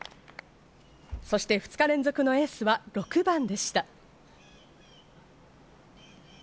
そして２日連続のエースは６番でした。